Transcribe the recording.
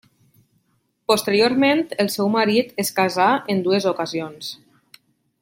Posteriorment el seu marit es casà en dues ocasions.